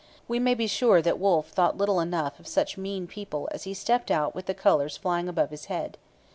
We may be sure that Wolfe thought little enough of such mean people as he stepped out with the colours flying above his head.